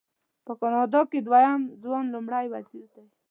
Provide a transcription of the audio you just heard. په کاناډا کې دویم ځوان لومړی وزیر دی.